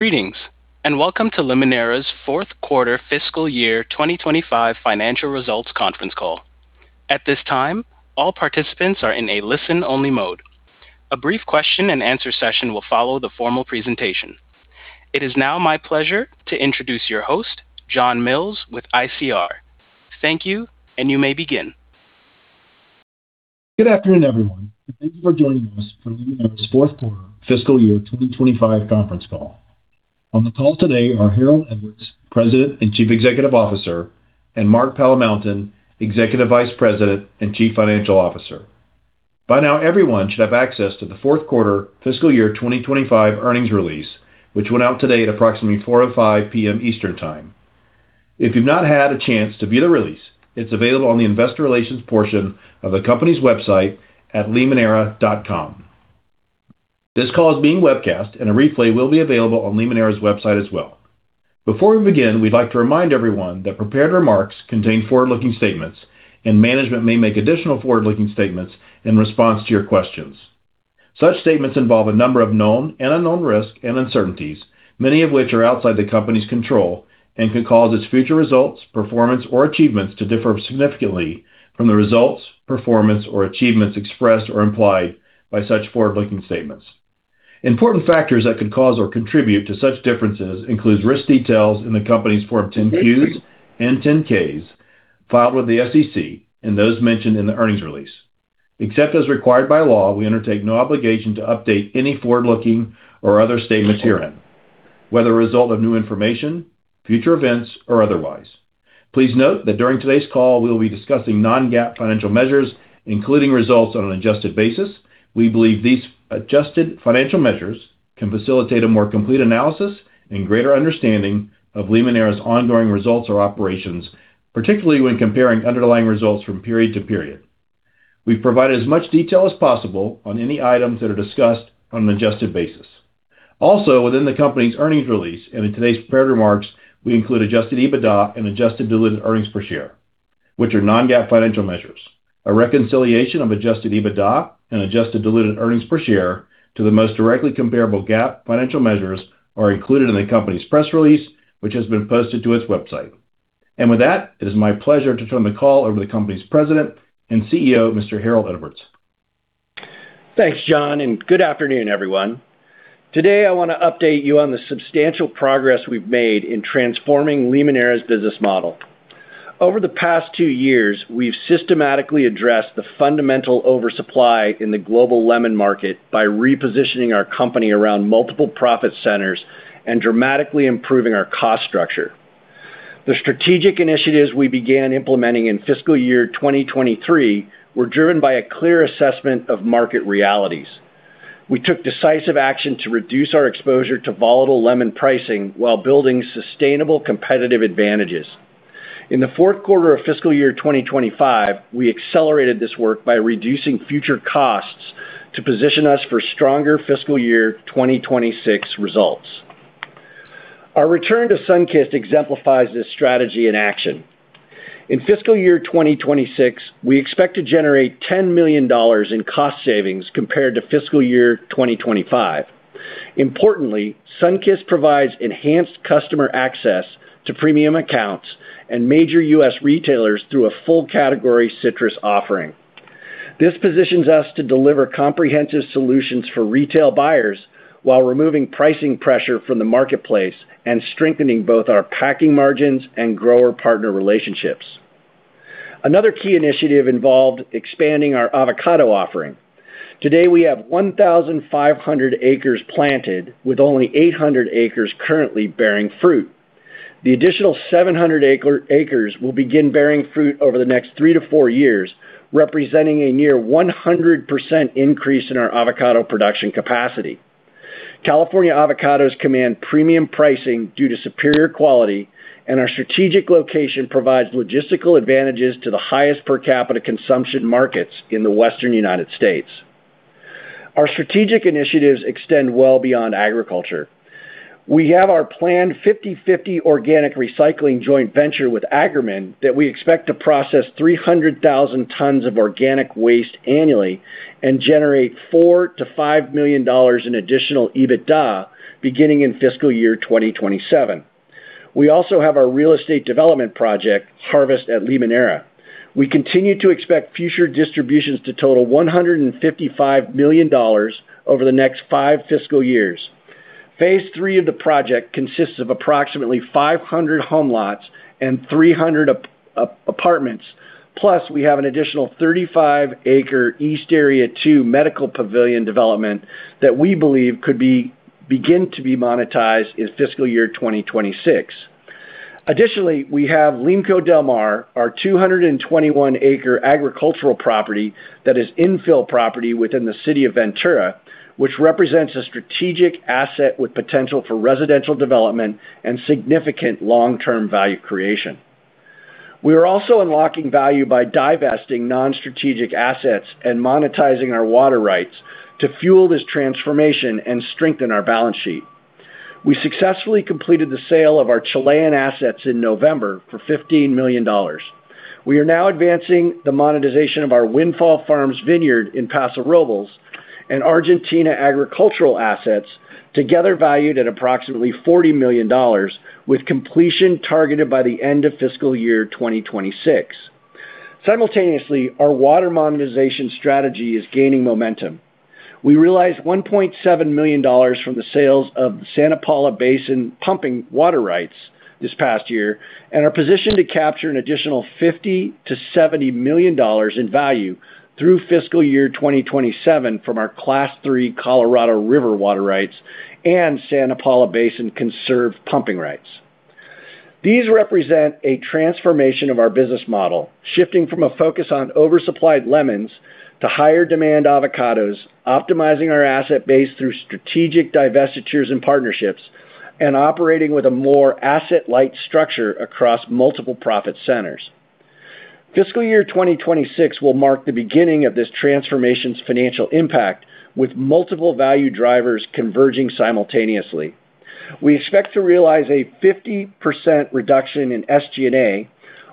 Greetings, and welcome to Limoneira's fourth quarter fiscal year 2025 financial results conference call. At this time, all participants are in a listen-only mode. A brief question-and-answer session will follow the formal presentation. It is now my pleasure to introduce your host, John Mills, with ICR. Thank you, and you may begin. Good afternoon, everyone, and thank you for joining us for Limoneira's fourth quarter fiscal year 2025 conference call. On the call today are Harold Edwards, President and Chief Executive Officer, and Mark Palamountain, Executive Vice President and Chief Financial Officer. By now, everyone should have access to the fourth quarter fiscal year 2025 earnings release, which went out today at approximately 4:05 P.M. Eastern Time. If you've not had a chance to view the release, it's available on the investor relations portion of the company's website at limoneira.com. This call is being webcast, and a replay will be available on Limoneira's website as well. Before we begin, we'd like to remind everyone that prepared remarks contain forward-looking statements, and management may make additional forward-looking statements in response to your questions. Such statements involve a number of known and unknown risks and uncertainties, many of which are outside the company's control and could cause its future results, performance, or achievements to differ significantly from the results, performance, or achievements expressed or implied by such forward-looking statements. Important factors that could cause or contribute to such differences include risk details in the company's Form 10-Qs and 10-Ks filed with the SEC and those mentioned in the earnings release. Except as required by law, we undertake no obligation to update any forward-looking or other statements herein, whether a result of new information, future events, or otherwise. Please note that during today's call, we will be discussing non-GAAP financial measures, including results on an adjusted basis. We believe these adjusted financial measures can facilitate a more complete analysis and greater understanding of Limoneira's ongoing results or operations, particularly when comparing underlying results from period to period. We provide as much detail as possible on any items that are discussed on an adjusted basis. Also, within the company's earnings release and in today's prepared remarks, we include adjusted EBITDA and adjusted diluted earnings per share, which are non-GAAP financial measures. A reconciliation of adjusted EBITDA and adjusted diluted earnings per share to the most directly comparable GAAP financial measures is included in the company's press release, which has been posted to its website, and with that, it is my pleasure to turn the call over to the company's President and CEO, Mr. Harold Edwards. Thanks, John, and good afternoon, everyone. Today, I want to update you on the substantial progress we've made in transforming Limoneira's business model. Over the past two years, we've systematically addressed the fundamental oversupply in the global lemon market by repositioning our company around multiple profit centers and dramatically improving our cost structure. The strategic initiatives we began implementing in fiscal year 2023 were driven by a clear assessment of market realities. We took decisive action to reduce our exposure to volatile lemon pricing while building sustainable competitive advantages. In the fourth quarter of fiscal year 2025, we accelerated this work by reducing future costs to position us for stronger fiscal year 2026 results. Our return to Sunkist exemplifies this strategy in action. In fiscal year 2026, we expect to generate $10 million in cost savings compared to fiscal year 2025. Importantly, Sunkist provides enhanced customer access to premium accounts and major U.S. retailers through a full-category citrus offering. This positions us to deliver comprehensive solutions for retail buyers while removing pricing pressure from the marketplace and strengthening both our packing margins and grower-partner relationships. Another key initiative involved expanding our avocado offering. Today, we have 1,500 acres planted, with only 800 acres currently bearing fruit. The additional 700 acres will begin bearing fruit over the next three to four years, representing a near 100% increase in our avocado production capacity. California avocados command premium pricing due to superior quality, and our strategic location provides logistical advantages to the highest per capita consumption markets in the Western United States. Our strategic initiatives extend well beyond agriculture. We have our planned 50/50 organic recycling joint venture with Agromin that we expect to process 300,000 tons of organic waste annually and generate $4-$5 million in additional EBITDA beginning in fiscal year 2027. We also have our real estate development project, Harvest at Limoneira. We continue to expect future distributions to total $155 million over the next five fiscal years. Phase III of the project consists of approximately 500 home lots and 300 apartments, plus we have an additional 35-acre East Area 2 medical pavilion development that we believe could begin to be monetized in fiscal year 2026. Additionally, we have Limco Del Mar, our 221-acre agricultural property that is infill property within the city of Ventura, which represents a strategic asset with potential for residential development and significant long-term value creation. We are also unlocking value by divesting non-strategic assets and monetizing our water rights to fuel this transformation and strengthen our balance sheet. We successfully completed the sale of our Chilean assets in November for $15 million. We are now advancing the monetization of our Windfall Farms vineyard in Paso Robles and Argentina agricultural assets, together valued at approximately $40 million, with completion targeted by the end of fiscal year 2026. Simultaneously, our water monetization strategy is gaining momentum. We realized $1.7 million from the sales of the Santa Paula Basin pumping water rights this past year and are positioned to capture an additional $50-$70 million in value through fiscal year 2027 from our Class III Colorado River water rights and Santa Paula Basin conserved pumping rights. These represent a transformation of our business model, shifting from a focus on oversupplied lemons to higher-demand avocados, optimizing our asset base through strategic divestitures and partnerships, and operating with a more asset-light structure across multiple profit centers. Fiscal year 2026 will mark the beginning of this transformation's financial impact, with multiple value drivers converging simultaneously. We expect to realize a 50% reduction in SG&A,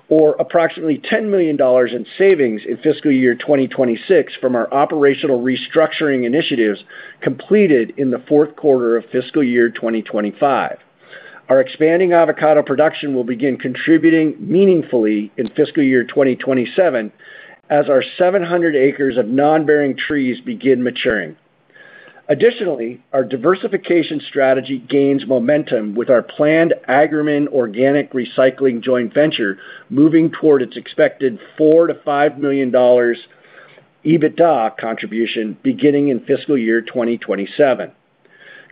or approximately $10 million in savings in fiscal year 2026 from our operational restructuring initiatives completed in the fourth quarter of fiscal year 2025. Our expanding avocado production will begin contributing meaningfully in fiscal year 2027 as our 700 acres of non-bearing trees begin maturing. Additionally, our diversification strategy gains momentum with our planned Agromin organic recycling joint venture moving toward its expected $4-$5 million EBITDA contribution beginning in fiscal year 2027.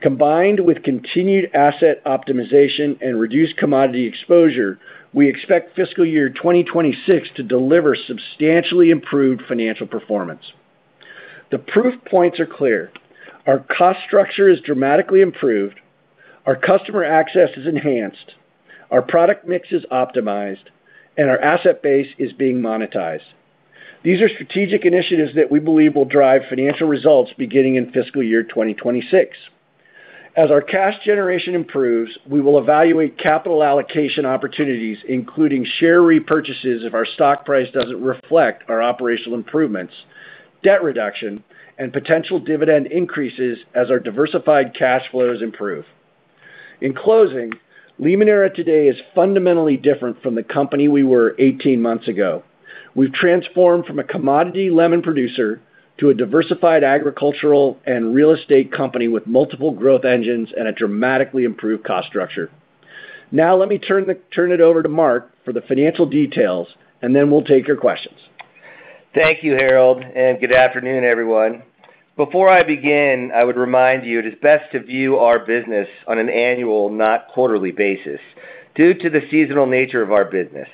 Combined with continued asset optimization and reduced commodity exposure, we expect fiscal year 2026 to deliver substantially improved financial performance. The proof points are clear. Our cost structure is dramatically improved, our customer access is enhanced, our product mix is optimized, and our asset base is being monetized. These are strategic initiatives that we believe will drive financial results beginning in fiscal year 2026. As our cash generation improves, we will evaluate capital allocation opportunities, including share repurchases if our stock price doesn't reflect our operational improvements, debt reduction, and potential dividend increases as our diversified cash flows improve. In closing, Limoneira today is fundamentally different from the company we were 18 months ago. We've transformed from a commodity lemon producer to a diversified agricultural and real estate company with multiple growth engines and a dramatically improved cost structure. Now, let me turn it over to Mark for the financial details, and then we'll take your questions. Thank you, Harold, and good afternoon, everyone. Before I begin, I would remind you it is best to view our business on an annual, not quarterly basis due to the seasonal nature of our business.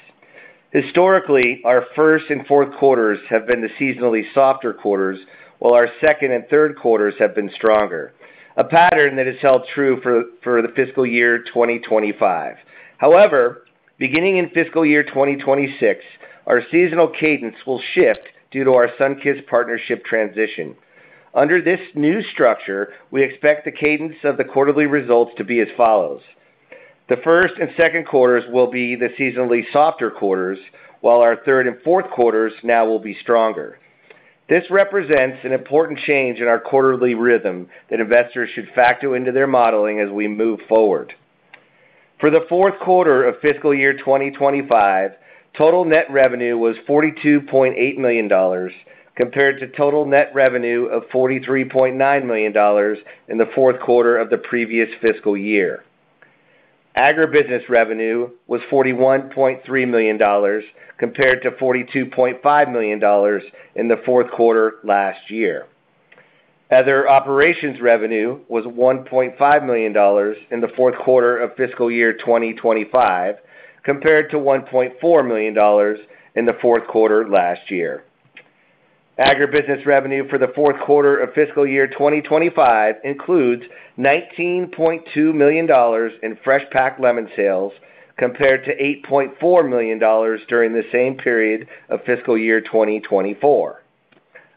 Historically, our first and fourth quarters have been the seasonally softer quarters, while our second and third quarters have been stronger, a pattern that has held true for the fiscal year 2025. However, beginning in fiscal year 2026, our seasonal cadence will shift due to our Sunkist partnership transition. Under this new structure, we expect the cadence of the quarterly results to be as follows. The first and second quarters will be the seasonally softer quarters, while our third and fourth quarters now will be stronger. This represents an important change in our quarterly rhythm that investors should factor into their modeling as we move forward. For the fourth quarter of fiscal year 2025, total net revenue was $42.8 million compared to total net revenue of $43.9 million in the fourth quarter of the previous fiscal year. Agribusiness revenue was $41.3 million compared to $42.5 million in the fourth quarter last year. Other operations revenue was $1.5 million in the fourth quarter of fiscal year 2025 compared to $1.4 million in the fourth quarter last year. Agribusiness revenue for the fourth quarter of fiscal year 2025 includes $19.2 million in fresh packed lemon sales compared to $8.4 million during the same period of fiscal year 2024.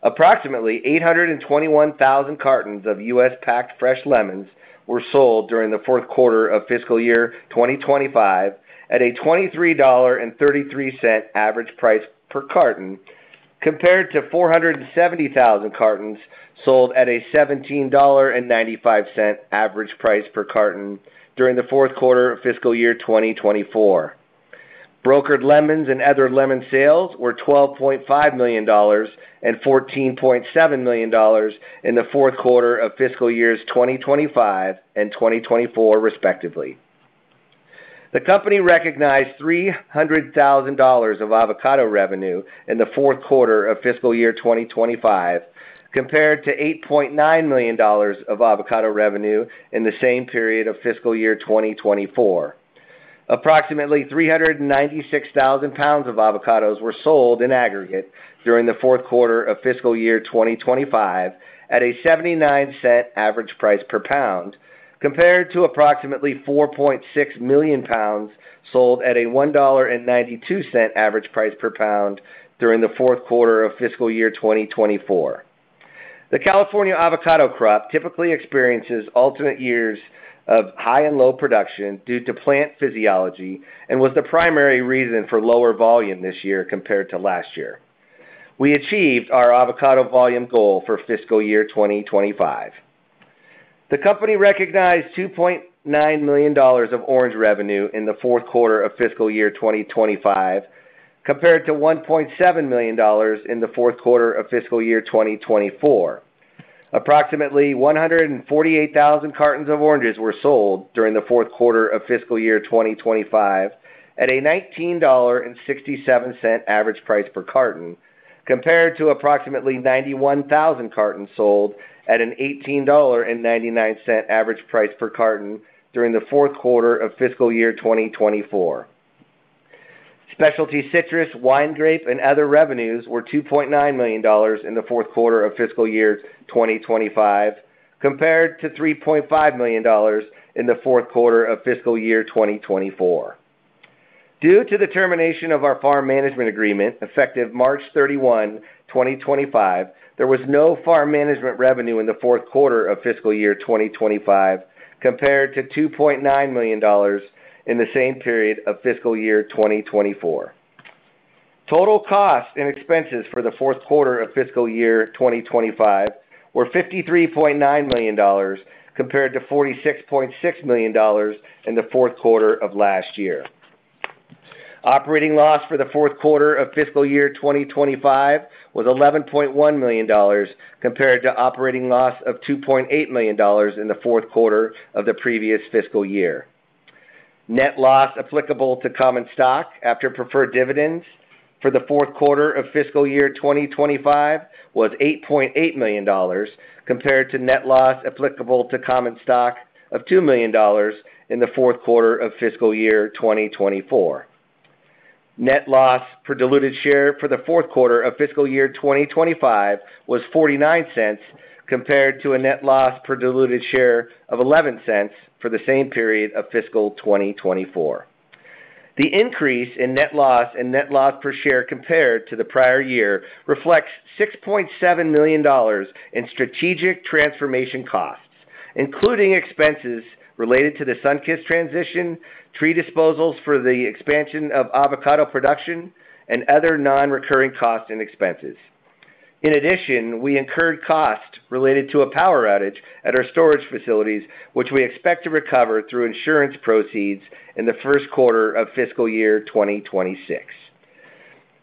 Approximately 821,000 cartons of U.S. packed fresh lemons were sold during the fourth quarter of fiscal year 2025 at a $23.33 average price per carton compared to 470,000 cartons sold at a $17.95 average price per carton during the fourth quarter of fiscal year 2024. Brokered lemons and other lemon sales were $12.5 million and $14.7 million in the fourth quarter of fiscal years 2025 and 2024, respectively. The company recognized $300,000 of avocado revenue in the fourth quarter of fiscal year 2025 compared to $8.9 million of avocado revenue in the same period of fiscal year 2024. Approximately 396,000 lb of avocados were sold in aggregate during the fourth quarter of fiscal year 2025 at a $0.79 average price per pound compared to approximately 4.6 million lb sold at a $1.92 average price per pound during the fourth quarter of fiscal year 2024. The California avocado crop typically experiences alternate years of high and low production due to plant physiology and was the primary reason for lower volume this year compared to last year. We achieved our avocado volume goal for fiscal year 2025. The company recognized $2.9 million of orange revenue in the fourth quarter of fiscal year 2025 compared to $1.7 million in the fourth quarter of fiscal year 2024. Approximately 148,000 cartons of oranges were sold during the fourth quarter of fiscal year 2025 at a $19.67 average price per carton compared to approximately 91,000 cartons sold at an $18.99 average price per carton during the fourth quarter of fiscal year 2024. Specialty citrus, wine grape, and other revenues were $2.9 million in the fourth quarter of fiscal year 2025 compared to $3.5 million in the fourth quarter of fiscal year 2024. Due to the termination of our farm management agreement effective March 31, 2025, there was no farm management revenue in the fourth quarter of fiscal year 2025 compared to $2.9 million in the same period of fiscal year 2024. Total costs and expenses for the fourth quarter of fiscal year 2025 were $53.9 million compared to $46.6 million in the fourth quarter of last year. Operating loss for the fourth quarter of fiscal year 2025 was $11.1 million compared to operating loss of $2.8 million in the fourth quarter of the previous fiscal year. Net loss applicable to common stock after preferred dividends for the fourth quarter of fiscal year 2025 was $8.8 million compared to net loss applicable to common stock of $2 million in the fourth quarter of fiscal year 2024. Net loss per diluted share for the fourth quarter of fiscal year 2025 was $0.49 compared to a net loss per diluted share of $0.11 for the same period of fiscal 2024. The increase in net loss and net loss per share compared to the prior year reflects $6.7 million in strategic transformation costs, including expenses related to the Sunkist transition, tree disposals for the expansion of avocado production, and other non-recurring costs and expenses. In addition, we incurred costs related to a power outage at our storage facilities, which we expect to recover through insurance proceeds in the first quarter of fiscal year 2026.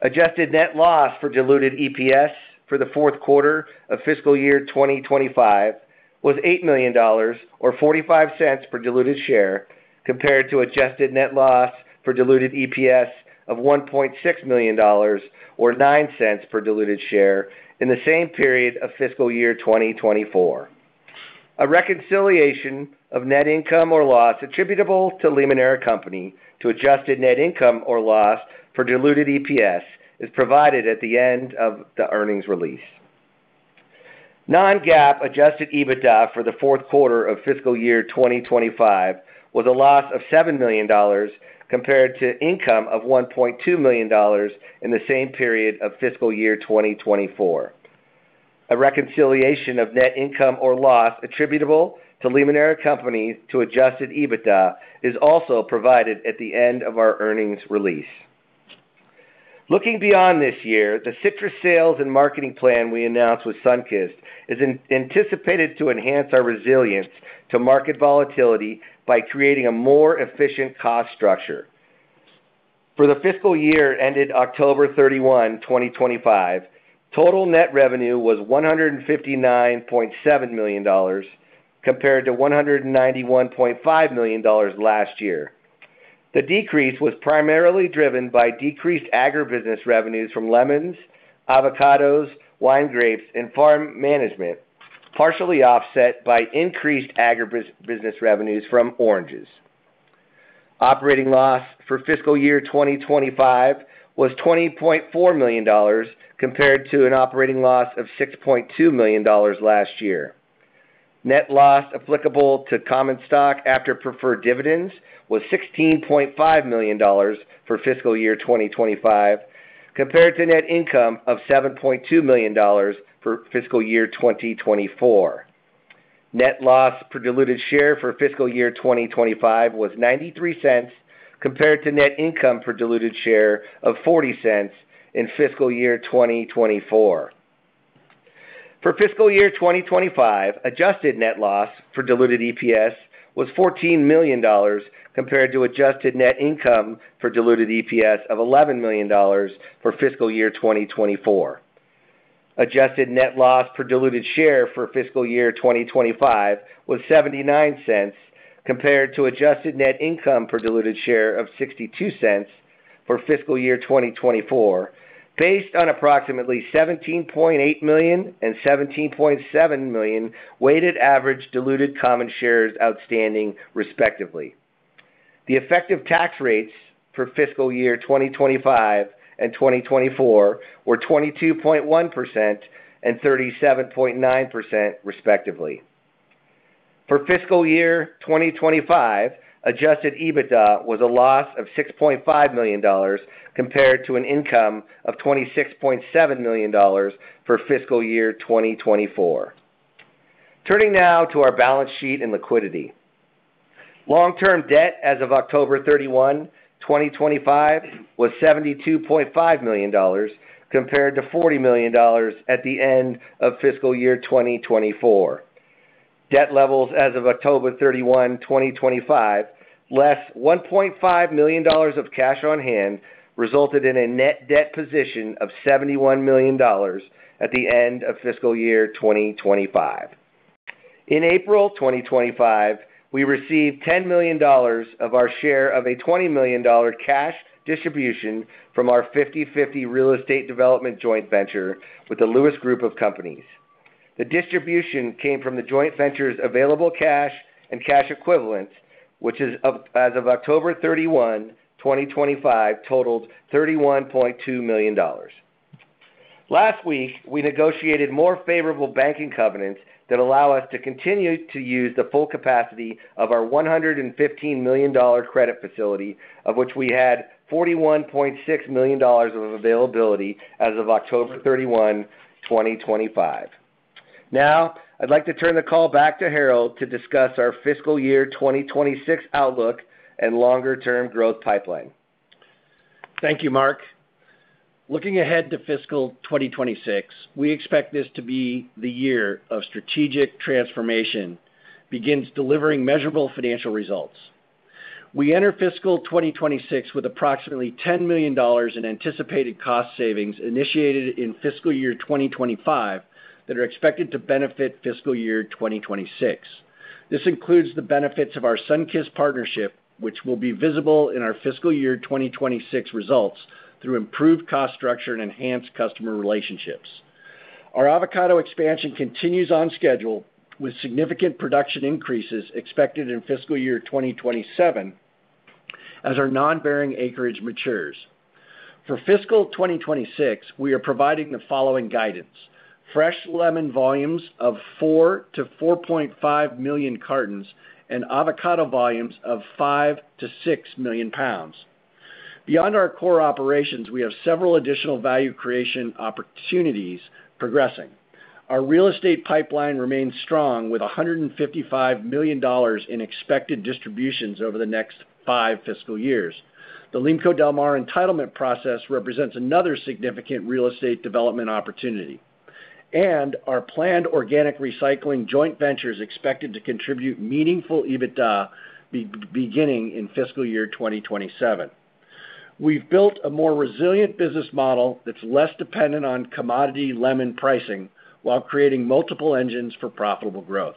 Adjusted net loss for diluted EPS for the fourth quarter of fiscal year 2025 was $8 million, or $0.45 per diluted share, compared to adjusted net loss for diluted EPS of $1.6 million, or $0.09 per diluted share in the same period of fiscal year 2024. A reconciliation of net income or loss attributable to Limoneira Company to adjusted net income or loss for diluted EPS is provided at the end of the earnings release. Non-GAAP adjusted EBITDA for the fourth quarter of fiscal year 2025 was a loss of $7 million compared to income of $1.2 million in the same period of fiscal year 2024. A reconciliation of net income or loss attributable to Limoneira Company to adjusted EBITDA is also provided at the end of our earnings release. Looking beyond this year, the citrus sales and marketing plan we announced with Sunkist is anticipated to enhance our resilience to market volatility by creating a more efficient cost structure. For the fiscal year ended October 31, 2025, total net revenue was $159.7 million compared to $191.5 million last year. The decrease was primarily driven by decreased agribusiness revenues from lemons, avocados, wine grapes, and farm management, partially offset by increased agribusiness revenues from oranges. Operating loss for fiscal year 2025 was $20.4 million compared to an operating loss of $6.2 million last year. Net loss applicable to common stock after preferred dividends was $16.5 million for fiscal year 2025 compared to net income of $7.2 million for fiscal year 2024. Net loss per diluted share for fiscal year 2025 was $0.93 compared to net income per diluted share of $0.40 in fiscal year 2024. For fiscal year 2025, adjusted net loss for diluted EPS was $14 million compared to adjusted net income for diluted EPS of $11 million for fiscal year 2024. Adjusted net loss per diluted share for fiscal year 2025 was $0.79 compared to adjusted net income per diluted share of $0.62 for fiscal year 2024, based on approximately 17.8 million and 17.7 million weighted average diluted common shares outstanding, respectively. The effective tax rates for fiscal year 2025 and 2024 were 22.1% and 37.9%, respectively. For fiscal year 2025, adjusted EBITDA was a loss of $6.5 million compared to an income of $26.7 million for fiscal year 2024. Turning now to our balance sheet and liquidity. Long-term debt as of October 31, 2025, was $72.5 million compared to $40 million at the end of fiscal year 2024. Debt levels as of October 31, 2025, less $1.5 million of cash on hand resulted in a net debt position of $71 million at the end of fiscal year 2025. In April 2025, we received $10 million of our share of a $20 million cash distribution from our 50/50 real estate development joint venture with the Lewis Group of Companies. The distribution came from the joint venture's available cash and cash equivalents, which, as of October 31, 2025, totaled $31.2 million. Last week, we negotiated more favorable banking covenants that allow us to continue to use the full capacity of our $115 million credit facility, of which we had $41.6 million of availability as of October 31, 2025. Now, I'd like to turn the call back to Harold to discuss our fiscal year 2026 outlook and longer-term growth pipeline. Thank you, Mark. Looking ahead to fiscal 2026, we expect this to be the year of strategic transformation that begins delivering measurable financial results. We enter fiscal 2026 with approximately $10 million in anticipated cost savings initiated in fiscal year 2025 that are expected to benefit fiscal year 2026. This includes the benefits of our Sunkist partnership, which will be visible in our fiscal year 2026 results through improved cost structure and enhanced customer relationships. Our avocado expansion continues on schedule, with significant production increases expected in fiscal year 2027 as our non-bearing acreage matures. For fiscal 2026, we are providing the following guidance: fresh lemon volumes of 4-4.5 million cartons and avocado volumes of 5-6 million lb. Beyond our core operations, we have several additional value creation opportunities progressing. Our real estate pipeline remains strong, with $155 million in expected distributions over the next five fiscal years. The Limco Del Mar entitlement process represents another significant real estate development opportunity, and our planned organic recycling joint venture is expected to contribute meaningful EBITDA beginning in fiscal year 2027. We've built a more resilient business model that's less dependent on commodity lemon pricing while creating multiple engines for profitable growth.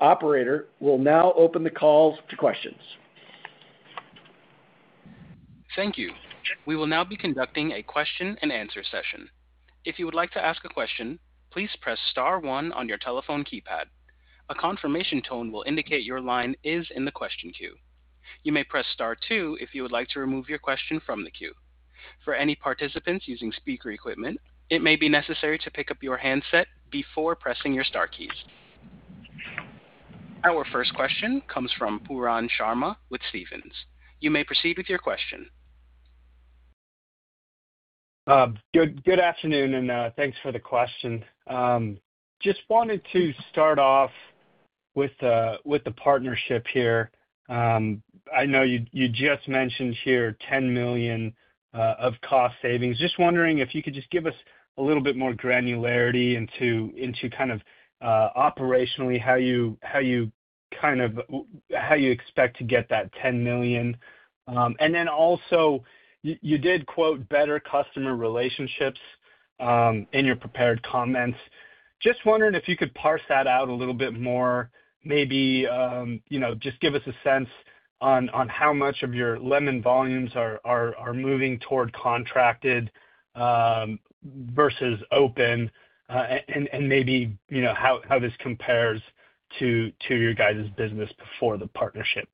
Operator will now open the call to questions. Thank you. We will now be conducting a question-and-answer session. If you would like to ask a question, please press star one on your telephone keypad. A confirmation tone will indicate your line is in the question queue. You may press star two if you would like to remove your question from the queue. For any participants using speaker equipment, it may be necessary to pick up your handset before pressing your star keys. Our first question comes from Pooran Sharma with Stephens. You may proceed with your question. Good afternoon, and thanks for the question. Just wanted to start off with the partnership here. I know you just mentioned here $10 million of cost savings. Just wondering if you could just give us a little bit more granularity into kind of operationally how you expect to get that $10 million. And then also, you did quote better customer relationships in your prepared comments. Just wondering if you could parse that out a little bit more, maybe just give us a sense on how much of your lemon volumes are moving toward contracted versus open, and maybe how this compares to your guys' business before the partnership.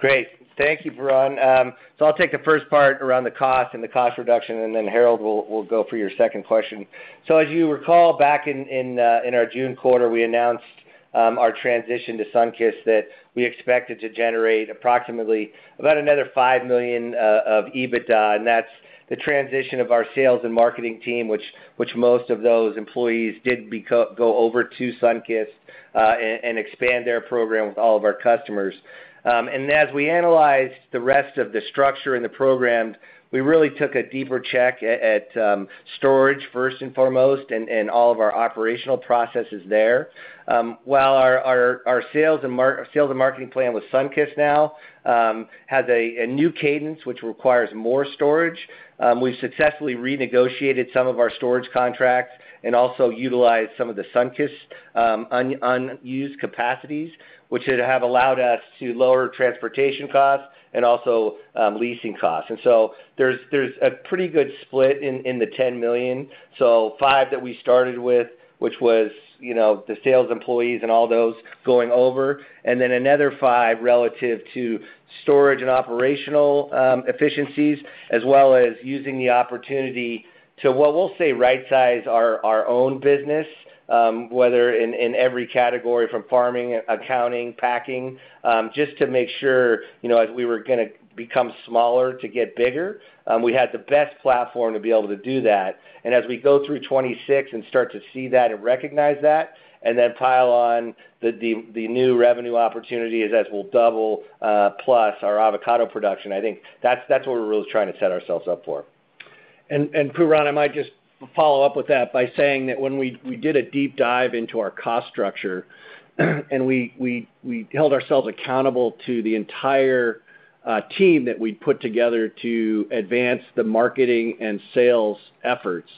Great. Thank you, Pooran. So I'll take the first part around the cost and the cost reduction, and then Harold will go for your second question. So as you recall, back in our June quarter, we announced our transition to Sunkist that we expected to generate approximately about another $5 million of EBITDA, and that's the transition of our sales and marketing team, which most of those employees did go over to Sunkist and expand their program with all of our customers. And as we analyzed the rest of the structure and the program, we really took a deeper check at storage, first and foremost, and all of our operational processes there. While our sales and marketing plan with Sunkist now has a new cadence, which requires more storage, we've successfully renegotiated some of our storage contracts and also utilized some of the Sunkist unused capacities, which have allowed us to lower transportation costs and also leasing costs. There's a pretty good split in the $10 million. Five that we started with, which was the sales employees and all those going over, and then another five relative to storage and operational efficiencies, as well as using the opportunity to, what we'll say, right-size our own business, whether in every category from farming, accounting, packing, just to make sure as we were going to become smaller to get bigger, we had the best platform to be able to do that. And as we go through 2026 and start to see that and recognize that, and then pile on the new revenue opportunities as we'll double plus our avocado production, I think that's what we're really trying to set ourselves up for. And Pooran, I might just follow up with that by saying that when we did a deep dive into our cost structure and we held ourselves accountable to the entire team that we'd put together to advance the marketing and sales efforts,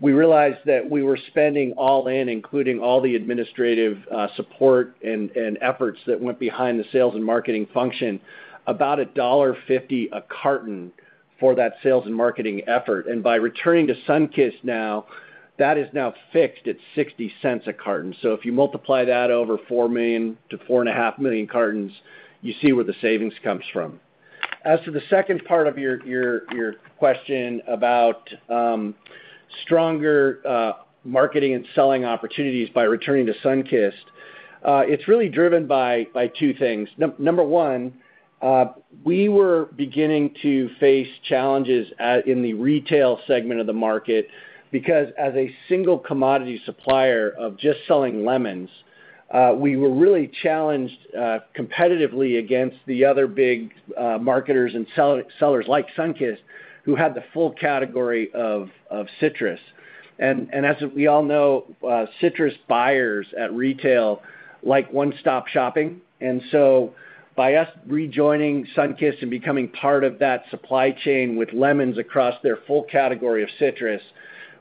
we realized that we were spending all in, including all the administrative support and efforts that went behind the sales and marketing function, about $1.50 a carton for that sales and marketing effort. And by returning to Sunkist now, that is now fixed at $0.60 a carton. So if you multiply that over 4 million to 4.5 million cartons, you see where the savings comes from. As to the second part of your question about stronger marketing and selling opportunities by returning to Sunkist, it's really driven by two things. Number one, we were beginning to face challenges in the retail segment of the market because as a single commodity supplier of just selling lemons, we were really challenged competitively against the other big marketers and sellers like Sunkist who had the full category of citrus. And as we all know, citrus buyers at retail like one-stop shopping. And so by us rejoining Sunkist and becoming part of that supply chain with lemons across their full category of citrus,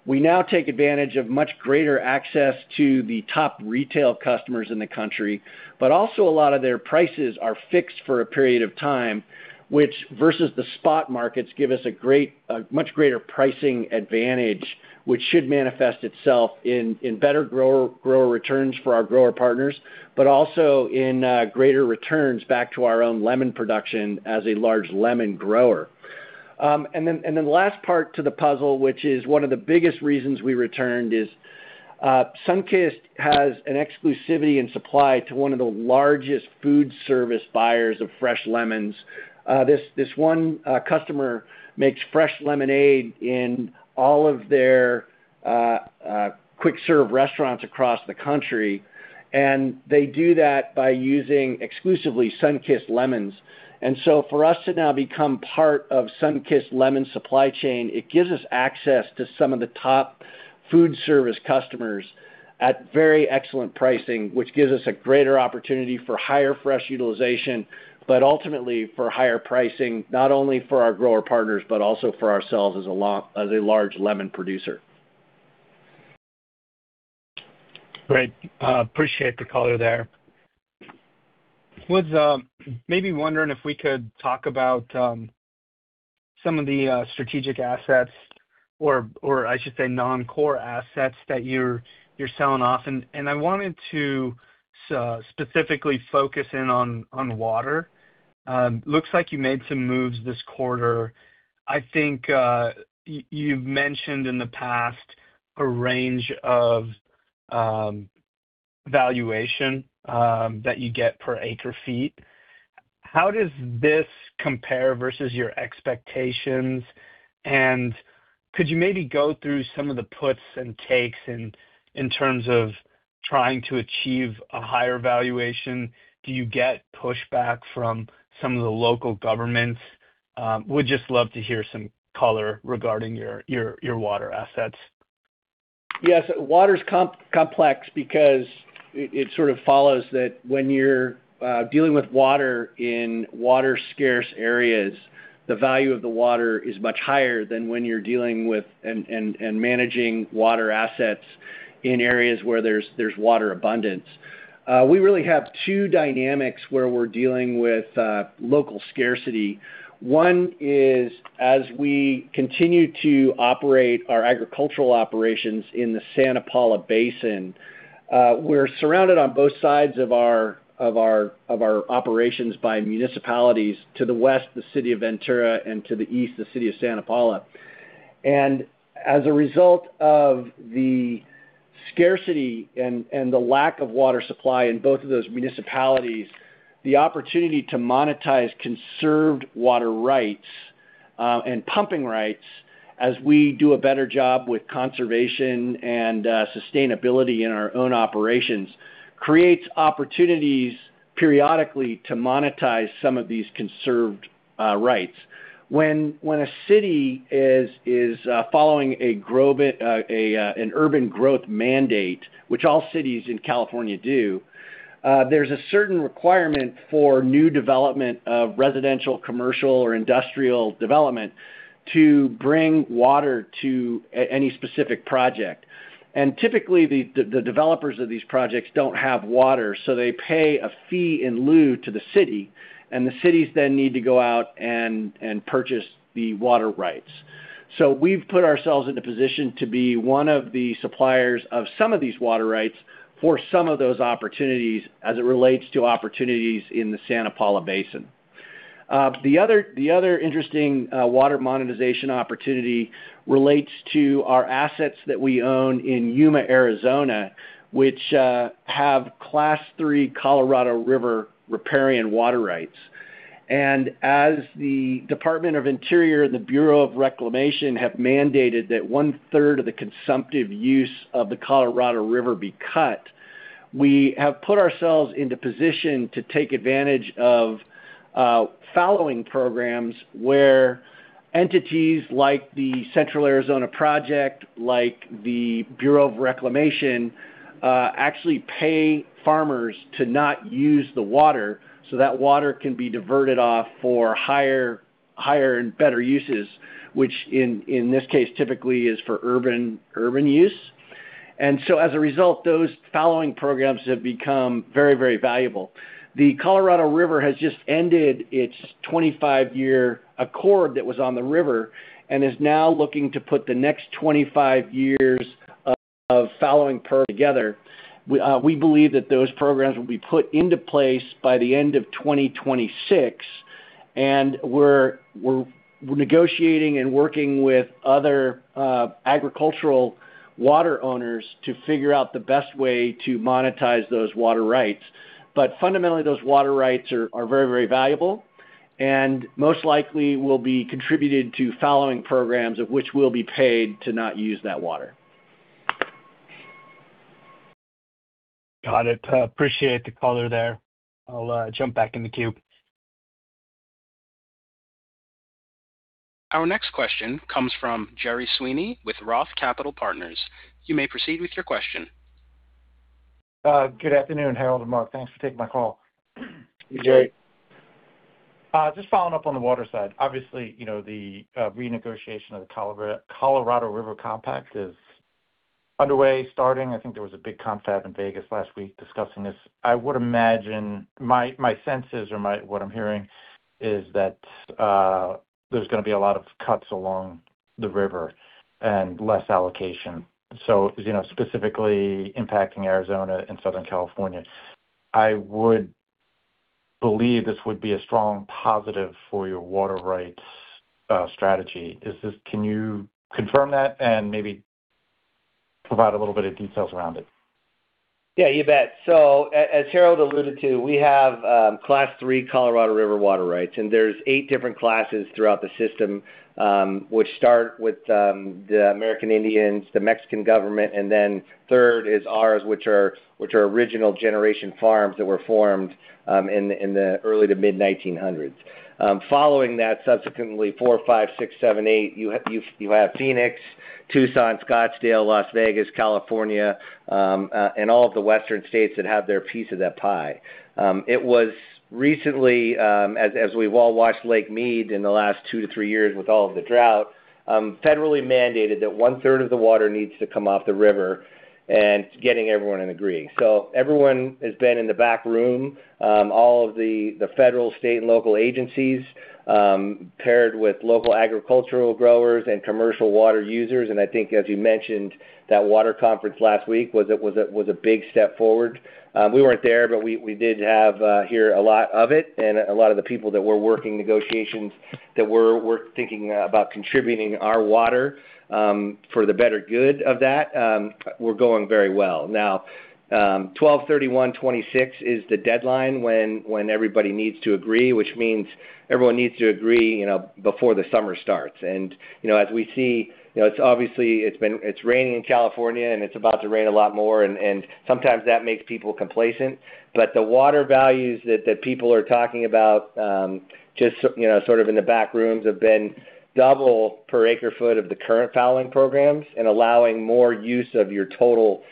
we now take advantage of much greater access to the top retail customers in the country, but also a lot of their prices are fixed for a period of time, which versus the spot markets give us a much greater pricing advantage, which should manifest itself in better grower returns for our grower partners, but also in greater returns back to our own lemon production as a large lemon grower. Then the last part to the puzzle, which is one of the biggest reasons we returned, is Sunkist has an exclusivity in supply to one of the largest food service buyers of fresh lemons. This one customer makes fresh lemonade in all of their quick-serve restaurants across the country, and they do that by using exclusively Sunkist lemons. So for us to now become part of Sunkist lemon supply chain, it gives us access to some of the top food service customers at very excellent pricing, which gives us a greater opportunity for higher fresh utilization, but ultimately for higher pricing, not only for our grower partners, but also for ourselves as a large lemon producer. Great. Appreciate the color there. I was maybe wondering if we could talk about some of the strategic assets, or I should say non-core assets that you're selling off. And I wanted to specifically focus in on water. Looks like you made some moves this quarter. I think you've mentioned in the past a range of valuation that you get per acre-feet. How does this compare versus your expectations? And could you maybe go through some of the puts and takes in terms of trying to achieve a higher valuation? Do you get pushback from some of the local governments? We'd just love to hear some color regarding your water assets? Yes. Water's complex because it sort of follows that when you're dealing with water in water-scarce areas, the value of the water is much higher than when you're dealing with and managing water assets in areas where there's water abundance. We really have two dynamics where we're dealing with local scarcity. One is as we continue to operate our agricultural operations in the Santa Paula Basin, we're surrounded on both sides of our operations by municipalities to the West, the city of Ventura, and to the East, the city of Santa Paula. And as a result of the scarcity and the lack of water supply in both of those municipalities, the opportunity to monetize conserved water rights and pumping rights as we do a better job with conservation and sustainability in our own operations creates opportunities periodically to monetize some of these conserved rights. When a city is following an urban growth mandate, which all cities in California do, there's a certain requirement for new development of residential, commercial, or industrial development to bring water to any specific project, and typically, the developers of these projects don't have water, so they pay a fee in lieu to the city, and the cities then need to go out and purchase the water rights, so we've put ourselves in a position to be one of the suppliers of some of these water rights for some of those opportunities as it relates to opportunities in the Santa Paula Basin. The other interesting water monetization opportunity relates to our assets that we own in Yuma, Arizona, which have Class III Colorado River riparian water rights. As the Department of the Interior and the Bureau of Reclamation have mandated that one-third of the consumptive use of the Colorado River be cut, we have put ourselves into position to take advantage of fallowing programs where entities like the Central Arizona Project, like the Bureau of Reclamation, actually pay farmers to not use the water so that water can be diverted off for higher and better uses, which in this case typically is for urban use. And so as a result, those fallowing programs have become very, very valuable. The Colorado River has just ended its 25-year accord that was on the river and is now looking to put the next 25 years of fallowing program together. We believe that those programs will be put into place by the end of 2026, and we're negotiating and working with other agricultural water owners to figure out the best way to monetize those water rights. But fundamentally, those water rights are very, very valuable and most likely will be contributed to fallowing programs of which we'll be paid to not use that water. Got it. Appreciate the color there. I'll jump back in the queue. Our next question comes from Gerry Sweeney with ROTH Capital Partners. You may proceed with your question. Good afternoon, Harold and Mark. Thanks for taking my call. Hey, Gerry. Just following up on the water side. Obviously, the renegotiation of the Colorado River Compact is underway, starting. I think there was a big confab in Vegas last week discussing this. I would imagine my senses or what I'm hearing is that there's going to be a lot of cuts along the river and less allocation, so specifically impacting Arizona and Southern California. I would believe this would be a strong positive for your water rights strategy. Can you confirm that and maybe provide a little bit of details around it? Yeah, you bet, so as Harold alluded to, we have Class III Colorado River water rights, and there's eight different classes throughout the system, which start with the American Indians, the Mexican government, and then third is ours, which are original generation farms that were formed in the early to mid-1900s. Following that, subsequently, four, five, six, seven, eight, you have Phoenix, Tucson, Scottsdale, Las Vegas, California, and all of the Western states that have their piece of that pie. It was recently, as we've all watched Lake Mead in the last two to three years with all of the drought, federally mandated that one-third of the water needs to come off the river, and getting everyone in agreement, so everyone has been in the back room, all of the federal, state, and local agencies paired with local agricultural growers and commercial water users. I think, as you mentioned, that water conference last week was a big step forward. We weren't there, but we did hear a lot of it, and a lot of the people that were working negotiations that were thinking about contributing our water for the better good of that were going very well. Now, December 31, 2026 is the deadline when everybody needs to agree, which means everyone needs to agree before the summer starts. As we see, obviously, it's raining in California, and it's about to rain a lot more, and sometimes that makes people complacent. But the water values that people are talking about, just sort of in the back rooms, have been double per acre-feet of the current fallowing programs and allowing more use of your total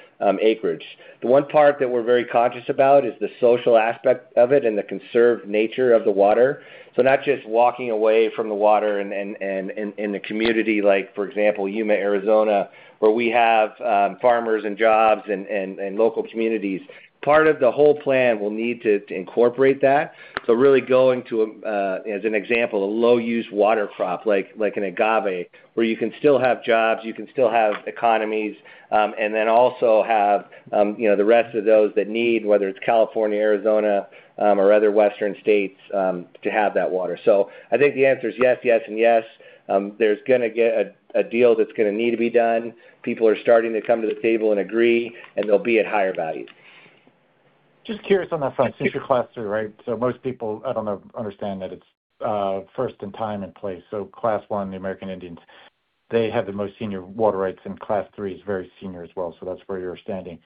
acreage. The one part that we're very conscious about is the social aspect of it and the conserved nature of the water. So not just walking away from the water in the community, like for example, Yuma, Arizona, where we have farmers and jobs and local communities. Part of the whole plan will need to incorporate that. So really going to, as an example, a low-use water crop like an agave, where you can still have jobs, you can still have economies, and then also have the rest of those that need, whether it's California, Arizona, or other Western states, to have that water. So I think the answer is yes, yes, and yes. There's going to get a deal that's going to need to be done. People are starting to come to the table and agree, and they'll be at higher value. Just curious on that front, since you're Class III, right? So most people, I don't know, understand that it's first in time and place. So Class I, the American Indians, they have the most senior water rights, and Class III is very senior as well. So that's where you're standing.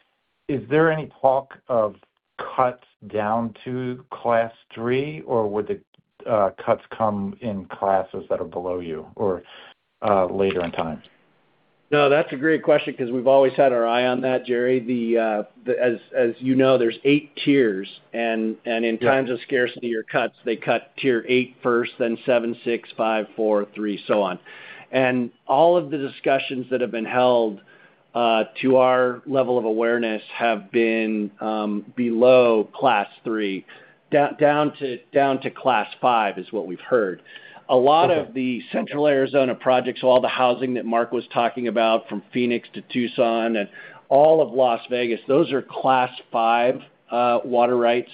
Is there any talk of cuts down to Class III, or would the cuts come in classes that are below you or later in time? No, that's a great question because we've always had our eye on that, Gerry. As you know, there's eight tiers, and in times of scarcity or cuts, they cut tier eight first, then seven, six, five, four, three, so on. All of the discussions that have been held to our level of awareness have been below Class III. Down to Class V is what we've heard. A lot of the Central Arizona Project, all the housing that Mark was talking about from Phoenix to Tucson and all of Las Vegas, those are Class V water rights.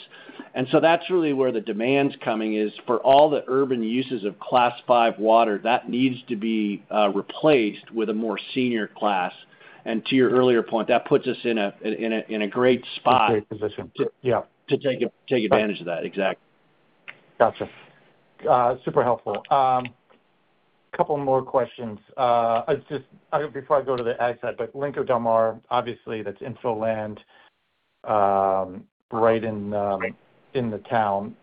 So that's really where the demand's coming is for all the urban uses of Class V water. That needs to be replaced with a more senior class. To your earlier point, that puts us in a great spot. A great position. To take advantage of that. Exactly. Gotcha. Super helpful. A couple more questions. Before I go to the ag side, but Limco Del Mar, obviously, that's infill land right in the town.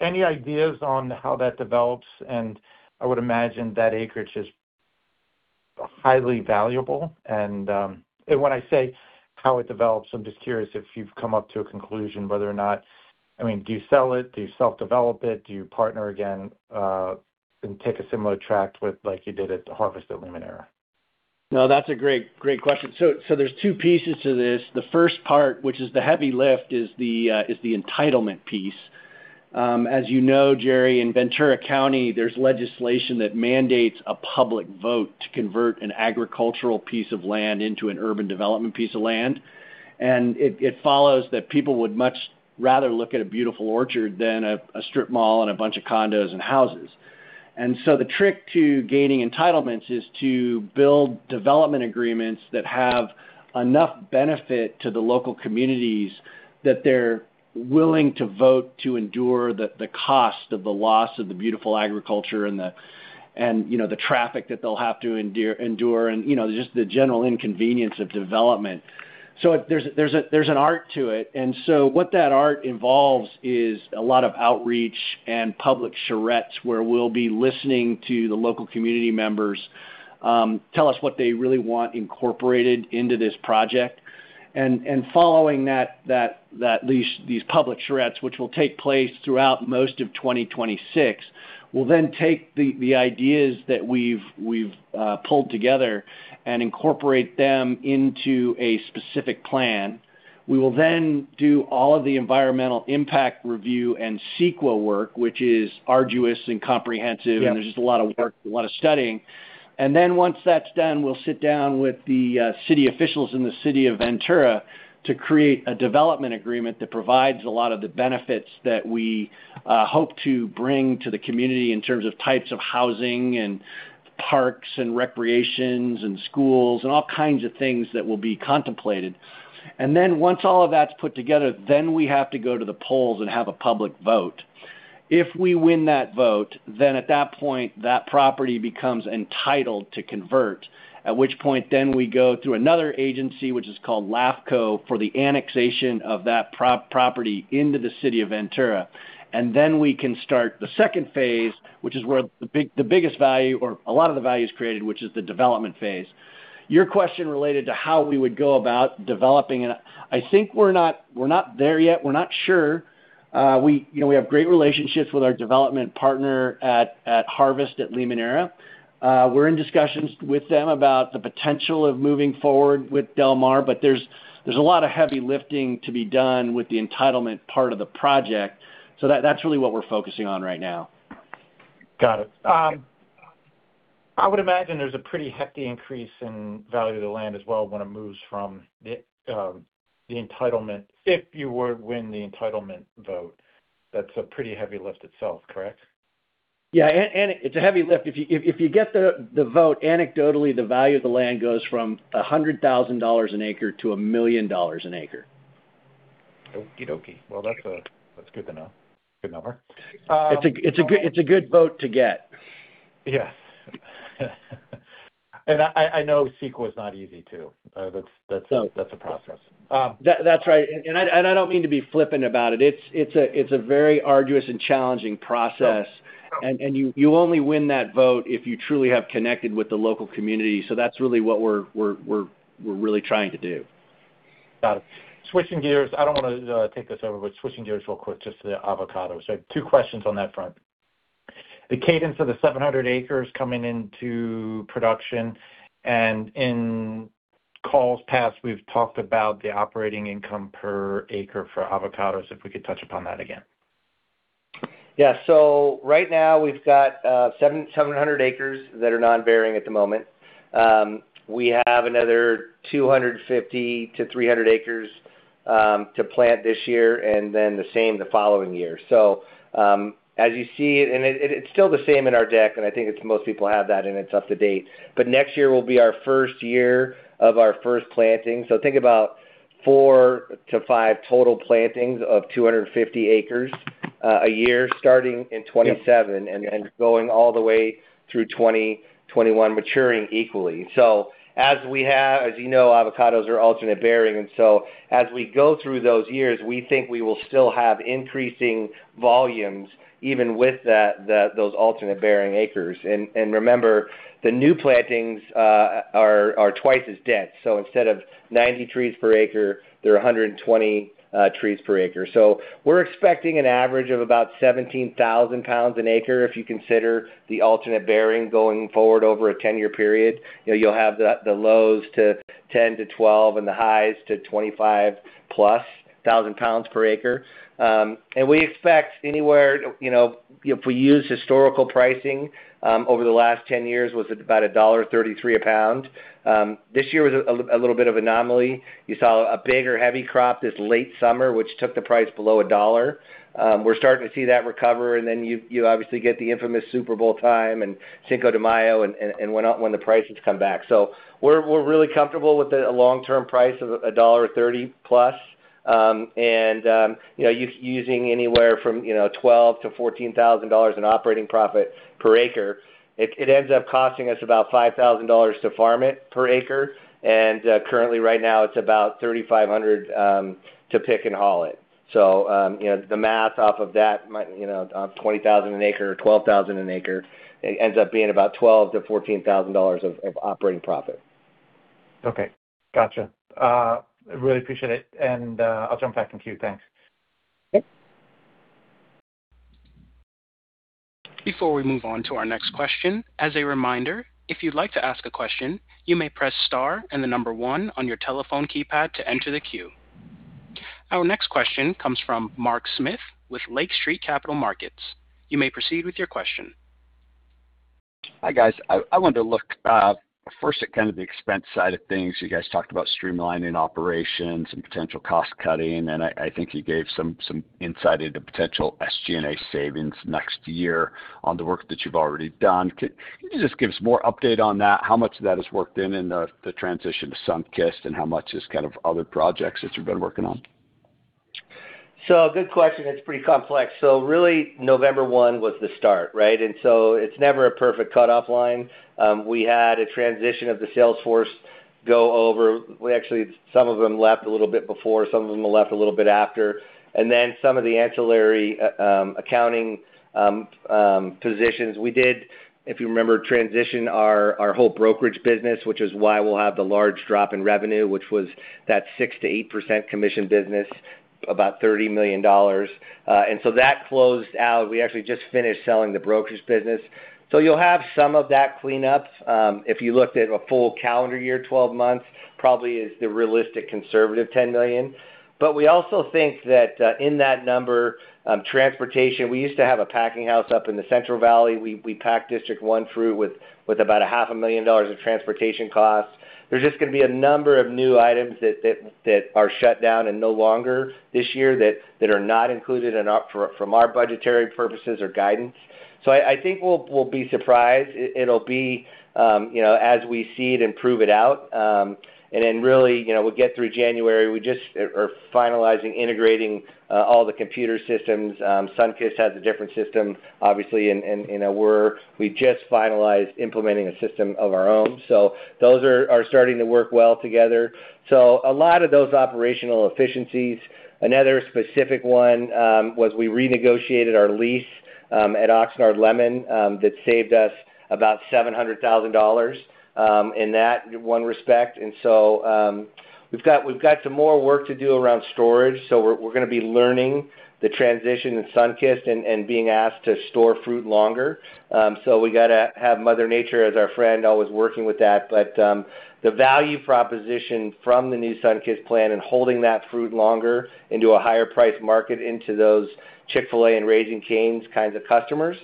Any ideas on how that develops? And I would imagine that acreage is highly valuable. And when I say how it develops, I'm just curious if you've come up to a conclusion whether or not, I mean, do you sell it? Do you self-develop it? Do you partner again and take a similar tract like you did at the Harvest at Limoneira? No, that's a great question, so there's two pieces to this. The first part, which is the heavy lift, is the entitlement piece. As you know, Gerry, in Ventura County, there's legislation that mandates a public vote to convert an agricultural piece of land into an urban development piece of land, and it follows that people would much rather look at a beautiful orchard than a strip mall and a bunch of condos and houses, and so the trick to gaining entitlements is to build development agreements that have enough benefit to the local communities that they're willing to vote to endure the cost of the loss of the beautiful agriculture and the traffic that they'll have to endure and just the general inconvenience of development, so there's an art to it. And so what that art involves is a lot of outreach and public charrettes where we'll be listening to the local community members tell us what they really want incorporated into this project. And following that, these public charrettes, which will take place throughout most of 2026, will then take the ideas that we've pulled together and incorporate them into a specific plan. We will then do all of the environmental impact review and CEQA work, which is arduous and comprehensive, and there's just a lot of work, a lot of studying. And then once that's done, we'll sit down with the city officials in the city of Ventura to create a development agreement that provides a lot of the benefits that we hope to bring to the community in terms of types of housing and parks and recreations and schools and all kinds of things that will be contemplated. And then once all of that's put together, then we have to go to the polls and have a public vote. If we win that vote, then at that point, that property becomes entitled to convert, at which point then we go through another agency, which is called LAFCO, for the annexation of that property into the city of Ventura. And then we can start the second phase, which is where the biggest value or a lot of the value is created, which is the development phase. Your question related to how we would go about developing, I think we're not there yet. We're not sure. We have great relationships with our development partner at Harvest at Limoneira. We're in discussions with them about the potential of moving forward with Limco Del Mar, but there's a lot of heavy lifting to be done with the entitlement part of the project. So that's really what we're focusing on right now. Got it. I would imagine there's a pretty hefty increase in value of the land as well when it moves from the entitlement if you win the entitlement vote. That's a pretty heavy lift itself, correct? Yeah. And it's a heavy lift. If you get the vote, anecdotally, the value of the land goes from $100,000 an acre to $1 million an acre. Okey dokey. Well, that's good to know. Good number. It's a good vote to get. Yeah. And I know CEQA is not easy too. That's a process. That's right. And I don't mean to be flippant about it. It's a very arduous and challenging process. And you only win that vote if you truly have connected with the local community. So that's really what we're really trying to do. Got it. Switching gears. I don't want to take this over, but switching gears real quick just to the avocados. So two questions on that front. The cadence of the 700 acres coming into production. And in past calls, we've talked about the operating income per acre for avocados. If we could touch upon that again. Yeah. So right now, we've got 700 acres that are non-bearing at the moment. We have another 250 to 300 acres to plant this year and then the same the following year. So as you see, and it's still the same in our deck, and I think most people have that, and it's up to date. But next year will be our first year of our first planting. So think about four to five total plantings of 250 acres a year starting in 2027 and going all the way through 2021, maturing equally. So as we have, as you know, avocados are alternate bearing. And so as we go through those years, we think we will still have increasing volumes even with those alternate bearing acres. And remember, the new plantings are twice as dense. So instead of 90 trees per acre, they're 120 trees per acre. So we're expecting an average of about 17,000 lb per acre if you consider the alternate bearing going forward over a 10-year period. You'll have the lows to 10 to 12 and the highs to 25+ thousand lb per acre. And we expect anywhere if we use historical pricing, over the last 10 years, was about $1.33 a pound. This year was a little bit of an anomaly. You saw a bigger heavy crop this late summer, which took the price below $1. We're starting to see that recover. And then you obviously get the infamous Super Bowl time and Cinco de Mayo and when the prices come back. So we're really comfortable with the long-term price of $1.30+. And using anywhere from $12,000 to $14,000 in operating profit per acre, it ends up costing us about $5,000 to farm it per acre. Currently, right now, it's about $3,500 to pick and haul it. The math off of that, $20,000 an acre or $12,000 an acre, it ends up being about $12,000-$14,000 of operating profit. Okay. Gotcha. I really appreciate it, and I'll jump back and queue. Thanks. Before we move on to our next question, as a reminder, if you'd like to ask a question, you may press star and the number one on your telephone keypad to enter the queue. Our next question comes from Mark Smith with Lake Street Capital Markets. You may proceed with your question. Hi guys. I wanted to look first at kind of the expense side of things. You guys talked about streamlining operations and potential cost cutting. And I think you gave some insight into potential SG&A savings next year on the work that you've already done. Can you just give us more update on that? How much of that has worked in the transition to Sunkist and how much is kind of other projects that you've been working on? So, good question. It's pretty complex. So really, November 1 was the start, right? And so it's never a perfect cutoff line. We had a transition of the sales force go over. Actually, some of them left a little bit before. Some of them left a little bit after. And then some of the ancillary accounting positions. We did, if you remember, transition our whole brokerage business, which is why we'll have the large drop in revenue, which was that 6%-8% commission business, about $30 million. And so that closed out. We actually just finished selling the brokerage business. So you'll have some of that cleanup. If you looked at a full calendar year, 12 months, probably is the realistic conservative $10 million. But we also think that in that number, transportation, we used to have a packing house up in the Central Valley. We packed District 1 through with about $500,000 of transportation costs. There's just going to be a number of new items that are shut down and no longer this year that are not included from our budgetary purposes or guidance. So I think we'll be surprised. It'll be as we see it and prove it out. And then really, we'll get through January. We just are finalizing integrating all the computer systems. Sunkist has a different system, obviously. We just finalized implementing a system of our own. So those are starting to work well together. So a lot of those operational efficiencies. Another specific one was we renegotiated our lease at Oxnard Lemon that saved us about $700,000 in that one respect. And so we've got some more work to do around storage. So we're going to be learning the transition in Sunkist and being asked to store fruit longer. So we got to have Mother Nature as our friend always working with that. But the value proposition from the new Sunkist plan and holding that fruit longer into a higher price market into those Chick-fil-A and Raising Cane's kinds of customers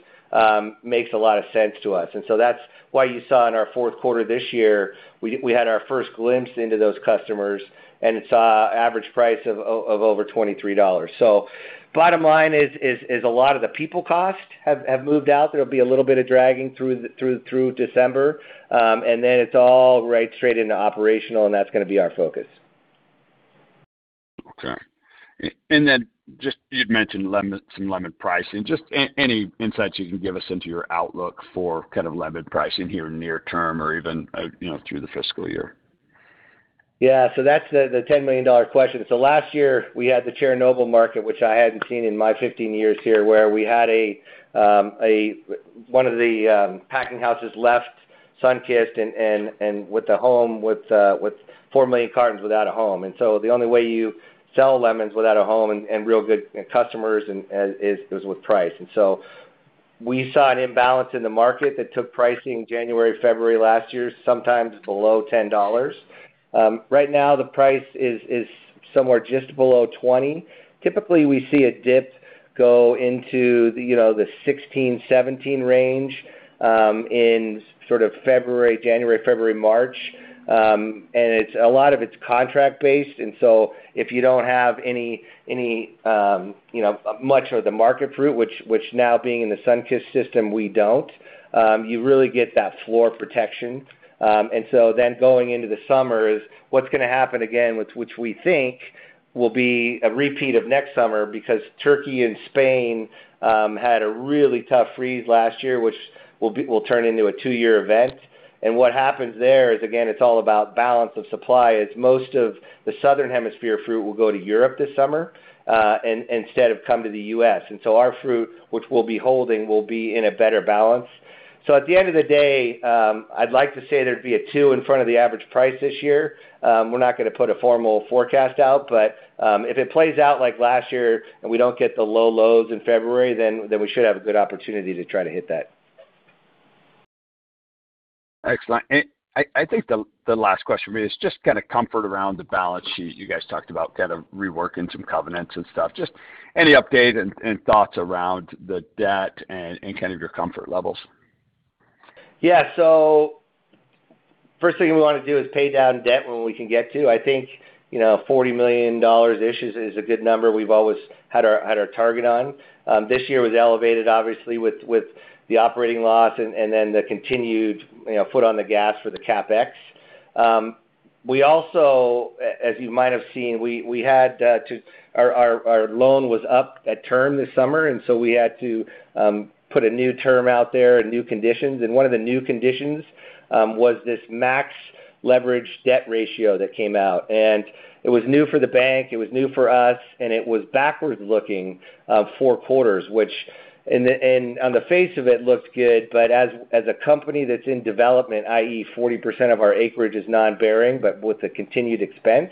makes a lot of sense to us. And so that's why you saw in our fourth quarter this year, we had our first glimpse into those customers, and it's an average price of over $23. So bottom line is a lot of the people costs have moved out. There'll be a little bit of dragging through December. And then it's all right straight into operational, and that's going to be our focus. Okay. And then just you'd mentioned some lemon pricing. Just any insights you can give us into your outlook for kind of lemon pricing here near term or even through the fiscal year? Yeah. So that's the $10 million question. So last year, we had the Chernobyl market, which I hadn't seen in my 15 years here, where we had one of the packing houses left Sunkist with 4 million cartons without a home. And so the only way you sell lemons without a home and real good customers is with price. And so we saw an imbalance in the market that took pricing January, February last year, sometimes below $10. Right now, the price is somewhere just below 20. Typically, we see a dip go into the 16-17 range in sort of January, February, March. And a lot of it's contract-based. And so if you don't have any much of the market fruit, which now being in the Sunkist system, we don't, you really get that floor protection. And so then going into the summer is what's going to happen again, which we think will be a repeat of next summer because Turkey and Spain had a really tough freeze last year, which will turn into a two-year event. And what happens there is, again, it's all about balance of supply as most of the Southern Hemisphere fruit will go to Europe this summer instead of come to the US. And so our fruit, which we'll be holding, will be in a better balance. So at the end of the day, I'd like to say there'd be a two in front of the average price this year. We're not going to put a formal forecast out. But if it plays out like last year and we don't get the low lows in February, then we should have a good opportunity to try to hit that. Excellent. I think the last question for me is just kind of comfort around the balance sheet you guys talked about, kind of reworking some covenants and stuff. Just any update and thoughts around the debt and kind of your comfort levels? Yeah. So first thing we want to do is pay down debt when we can get to. I think $40 million-ish is a good number we've always had our target on. This year was elevated, obviously, with the operating loss and then the continued foot on the gas for the CapEx. We also, as you might have seen, we had to. Our loan was up at term this summer, and so we had to put a new term out there, new conditions. And one of the new conditions was this max leverage debt ratio that came out. And it was new for the bank. It was new for us. And it was backwards looking four quarters, which on the face of it looked good. But as a company that's in development, i.e., 40% of our acreage is non-bearing, but with a continued expense,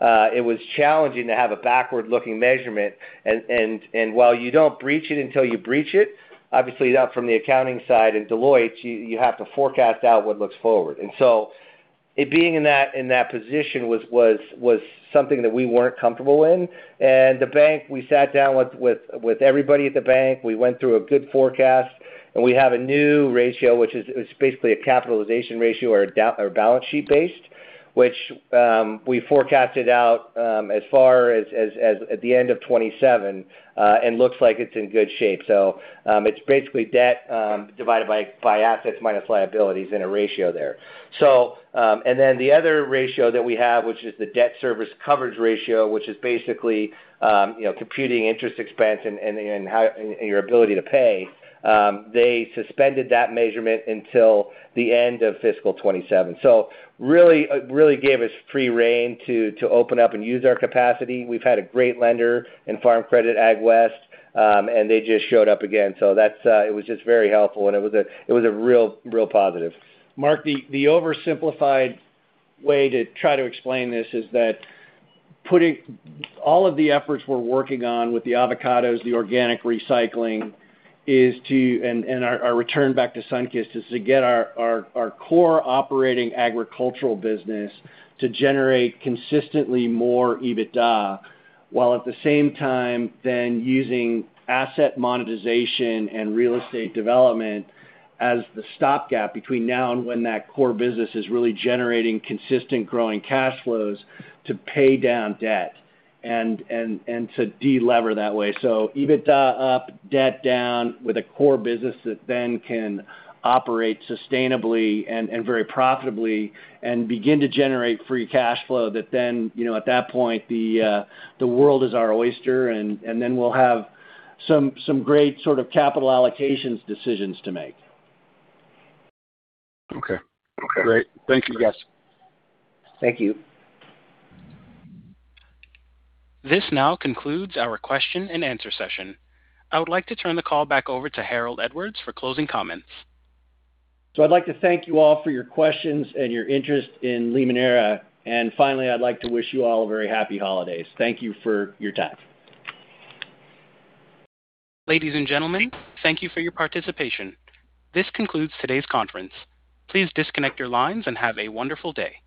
it was challenging to have a backward-looking measurement. And while you don't breach it until you breach it, obviously, from the accounting side in Deloitte, you have to forecast out what looks forward. And so it being in that position was something that we weren't comfortable in. And the bank, we sat down with everybody at the bank. We went through a good forecast. And we have a new ratio, which is basically a capitalization ratio or balance sheet-based, which we forecasted out as far as at the end of 2027 and looks like it's in good shape. So it's basically debt divided by assets minus liabilities in a ratio there. And then the other ratio that we have, which is the Debt Service Coverage Ratio, which is basically computing interest expense and your ability to pay, they suspended that measurement until the end of fiscal 2027. So really gave us free rein to open up and use our capacity. We've had a great lender in AgWest Farm Credit, and they just showed up again. So it was just very helpful. And it was a real positive. Mark, the oversimplified way to try to explain this is that all of the efforts we're working on with the avocados, the organic recycling, and our return back to Sunkist is to get our core operating agricultural business to generate consistently more EBITDA while at the same time then using asset monetization and real estate development as the stopgap between now and when that core business is really generating consistent growing cash flows to pay down debt and to delever that way. So EBITDA up, debt down with a core business that then can operate sustainably and very profitably and begin to generate free cash flow that then at that point, the world is our oyster, and then we'll have some great sort of capital allocations decisions to make. Okay. Great. Thank you, guys. Thank you. This now concludes our question and answer session. I would like to turn the call back over to Harold Edwards for closing comments. I'd like to thank you all for your questions and your interest in Limoneira. Finally, I'd like to wish you all very happy holidays. Thank you for your time. Ladies and gentlemen, thank you for your participation. This concludes today's conference. Please disconnect your lines and have a wonderful day.